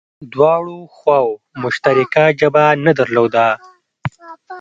دواړو خواوو مشترکه ژبه نه درلوده